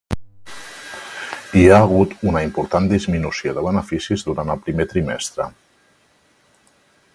Hi ha hagut una important disminució de beneficis durant el primer trimestre.